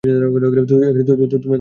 তুমি ওকে পেলেটির ওখানে নিয়ে যাও।